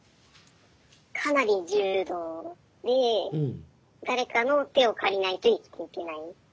かなり重度で誰かの手を借りないと生きていけない。